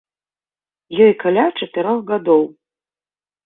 Ёй каля чатырох гадоў.